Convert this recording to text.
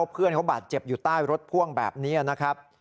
เพื่อนเขาบาดเจ็บอยู่ใต้รถพ่วงแบบนี้นะครับ